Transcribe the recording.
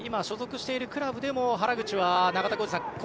所属しているクラブでも原口は、中田浩二さん